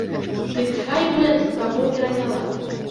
Дык хай бы ад каго пераняла.